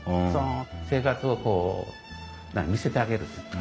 その生活をこう見せてあげる。